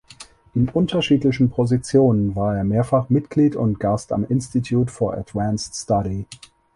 In unterschiedlichen Positionen war er mehrfach Mitglied und Gast am Institute for Advanced Study.